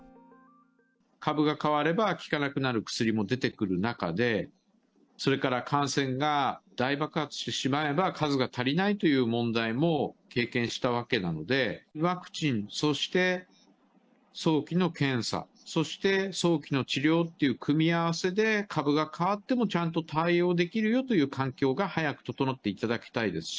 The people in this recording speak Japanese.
株が変われば、効かなくなる薬も出てくる中で、それから感染が大爆発してしまえば、数が足りないという問題も経験したわけなので、ワクチン、そして早期の検査、そして早期の治療っていう組み合わせで株が変わっても、ちゃんと対応できるよという環境が、早く整っていただきたいですし、